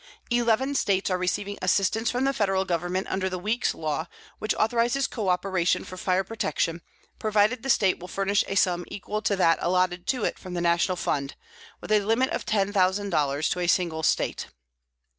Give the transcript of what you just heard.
Eleven States are receiving assistance from the Federal Government under the Weeks law, which authorizes coöperation for fire protection, provided the State will furnish a sum equal to that allotted to it from the National fund, with a limit of ten thousand dollars to a single State.